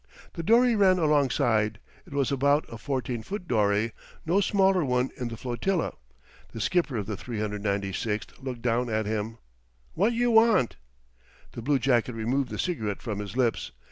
The dory ran alongside. It was about a 14 foot dory no smaller one in the flotilla. The skipper of the 396 looked down at him. "What you want?" The bluejacket removed the cigarette from his lips.